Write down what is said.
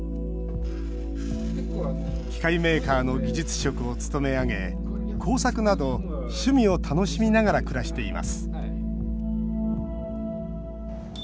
機械メーカーの技術職を勤め上げ工作など趣味を楽しみながら暮らしています。